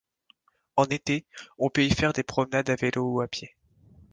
En été, on peut y faire des promenades à vélo ou à pied.